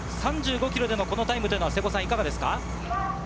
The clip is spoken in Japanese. ３５ｋｍのこのタイムはいかがですか？